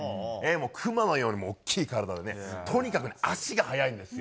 熊のように大きい体でね、とにかくね、足が速いんですよ。